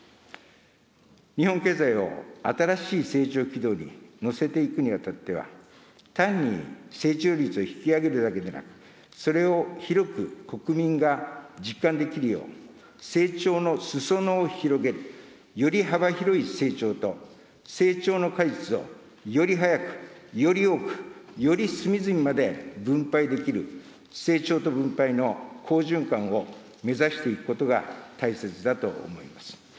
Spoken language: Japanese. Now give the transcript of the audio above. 日本経済を新しい成長軌道に乗せていくにあたっては、単に成長率を引き上げるだけでなく、それを広く国民が実感できるよう、成長のすそ野を広げる、より幅広い成長と、成長の果実をより速く、より多く、より隅々まで分配できる、成長と分配の好循環を目指していくことが大切だと思います。